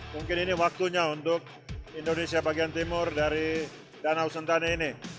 mungkin ini waktunya untuk indonesia bagian timur dari danau sentani ini